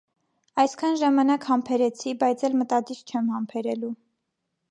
- Այսքան ժամանակ համբերեցի, բայց էլ մտադիր չեմ համբերելու.